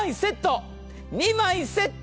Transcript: ２枚セット。